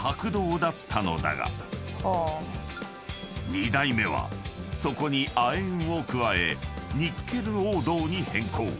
［２代目はそこに亜鉛を加えニッケル黄銅に変更］